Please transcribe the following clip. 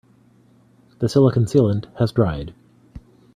The silicon sealant has dried.